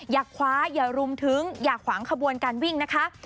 อย่าคว้าอย่ารุมถึงอย่าขวางขบวนการวิ่งนะคะ